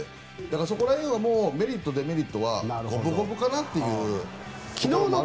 そこら辺はメリット、デメリットは五分五分というところもある。